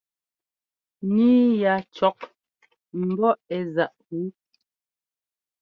Níi ya cɔ́k ḿbɔ́ ɛ́ záꞌ wú.